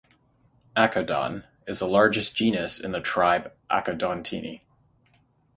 "Akodon" is the largest genus in the tribe Akodontini.